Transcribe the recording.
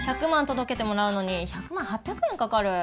届けてもらうのに１００万８００円かかる。